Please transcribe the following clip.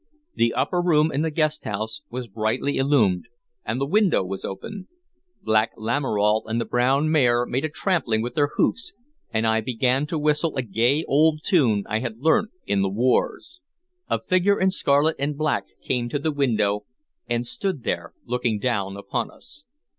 The upper room in the guest house was brightly illumined, and the window was open. Black Lamoral and the brown mare made a trampling with their hoofs, and I began to whistle a gay old tune I had learnt in the wars. A figure in scarlet and black came to the window, and stood there looking down upon us.